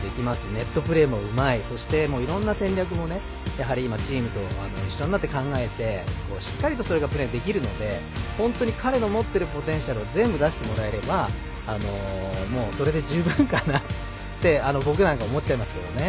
ネットプレーもうまい、そしていろんな戦略もやはり今チームと一緒になって考えてしっかりとそれがプレーできるので本当に彼の持っているポテンシャルを全部出してもらえればそれで十分かなって僕なんかは思っちゃいますけどね。